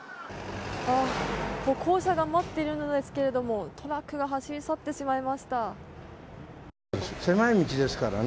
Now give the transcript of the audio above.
歩行者が待っているんですけれどもトラックが走り去ってしまいました。